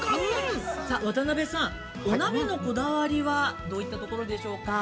◆さあ渡辺さん、お鍋のこだわりはどういったところでしょうか？